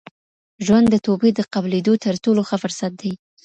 ژوند د توبې د قبلېدو تر ټولو ښه فرصت دی.